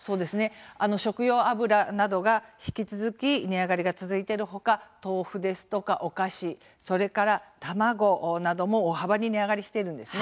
食用油などが引き続き値上がりが続いている他豆腐やお菓子、それから卵なども大幅に値上がりしているんです。